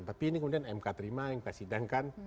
tapi ini kemudian mk terima yang disidangkan